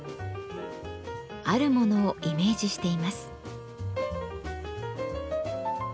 あるものをイメージしています。